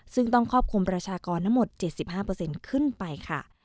ซึ่งต้องครอบคลุมประชากรทั้งหมด๗๕ขึ้นไปค่ะ